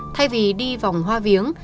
thay vì đi vòng hoa viếng